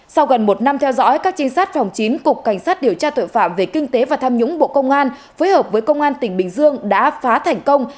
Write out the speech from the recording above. sau gần một năm theo dõi các trinh sát phòng chín cục cảnh sát điều tra tội phạm về kinh tế và tham nhũng bộ công an phối hợp với công an tỉnh bình dương đã phá thành công